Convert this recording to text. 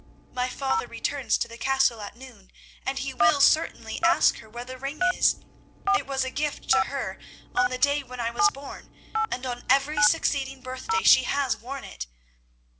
My father returns to the Castle at noon, and he will certainly ask her where the ring is. It was a gift to her on the day when I was born, and on every succeeding birthday she has worn it.